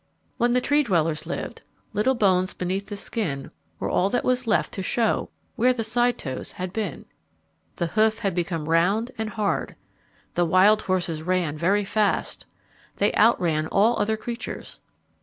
When the Tree dwellers lived, little bones beneath the skin were all that was left to show where the side toes had been. The hoof had become round and hard. The wild horses ran very fast. They outran all other creatures.